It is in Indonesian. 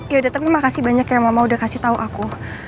ya udah tapi makasih banyak ya mama udah kasih tau aku